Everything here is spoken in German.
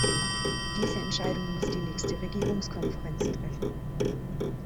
Diese Entscheidung muss die nächste Regierungskonferenz treffen.